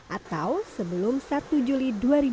atau sebelum satu juli dua ribu dua puluh